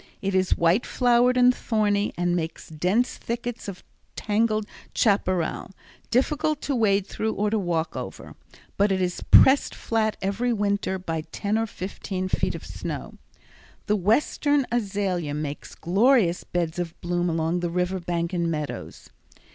It is white flowered and thorny, and makes dense thickets of tangled chaparral, difficult to wade through or to walk over. But it is pressed flat every winter by ten or fifteen feet of snow. The western azalea makes glorious beds of bloom along the river bank and meadows.